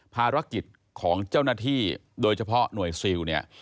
ภารกิจของเจ้าหน้าที่โดยเฉพาะหน่วยซิลเนี่ย